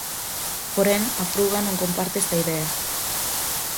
Porén, a Fruga non comparte esta idea.